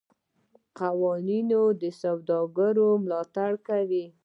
آیا قوانین د سوداګرو ملاتړ کوي؟